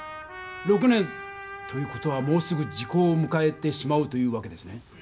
６年という事はもうすぐ時効をむかえてしまうというわけですね。